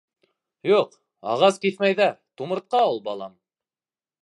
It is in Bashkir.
— Юҡ, ағас киҫмәйҙәр, тумыртҡа ул, балам.